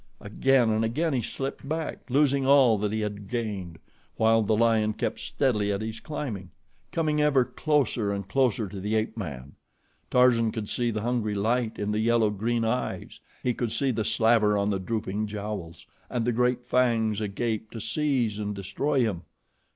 Again and again he slipped back, losing all that he had gained, while the lion kept steadily at his climbing, coming ever closer and closer to the ape man. Tarzan could see the hungry light in the yellow green eyes. He could see the slaver on the drooping jowls, and the great fangs agape to seize and destroy him.